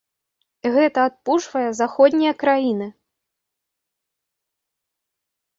Гэта адпужвае заходнія краіны.